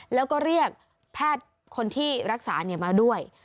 แล้วก็เรียกแพทย์คนที่รักษามาด้วย